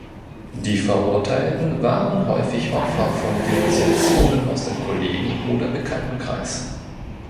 Die Verurteilten waren häufig Opfer von Denunziationen aus dem Kollegen- oder Bekanntenkreis.